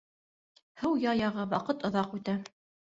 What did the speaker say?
Һыу яй аға, ваҡыт оҙаҡ үтә.